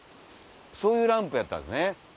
そういうランプやったんですね。